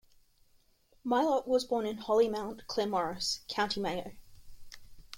Mylott was born in Hollymount, Claremorris, County Mayo.